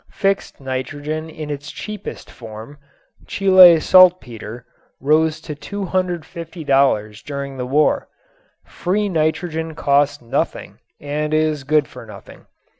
Fixed nitrogen in its cheapest form, Chile saltpeter, rose to $250 during the war. Free nitrogen costs nothing and is good for nothing.